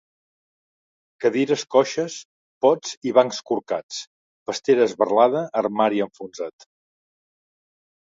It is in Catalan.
Cadires coixes, pots i bancs corcats, pastera esberlada, armari enfonsat.